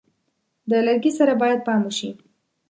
د لرګي سره باید پام وشي.